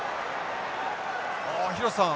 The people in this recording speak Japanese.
あ廣瀬さん